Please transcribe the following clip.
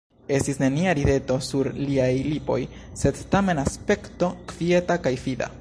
Estis nenia rideto sur liaj lipoj, sed tamen aspekto kvieta kaj fida.